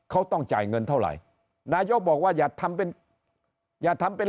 เขาต้องจ่ายเงินเท่าไหร่นายกบอกว่าอย่าทำเป็นอย่าทำเป็น